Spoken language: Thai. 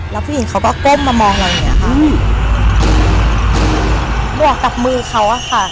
แล้วผู้หญิงเขาก็ก้มมามองเราอย่างเงี้ค่ะอืมบวกกับมือเขาอะค่ะ